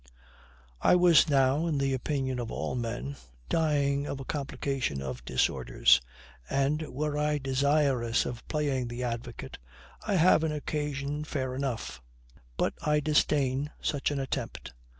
I was now, in the opinion of all men, dying of a complication of disorders; and, were I desirous of playing the advocate, I have an occasion fair enough; but I disdain such an attempt.